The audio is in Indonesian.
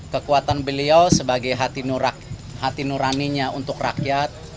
kekuatan beliau sebagai hati nuraninya untuk rakyat